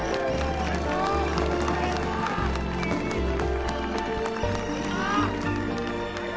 おめでとう！